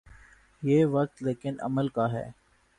یہ وقت لیکن عمل کا ہے۔